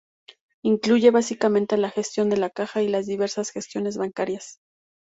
Incluye, básicamente, la gestión de la caja y las diversas gestiones bancarias.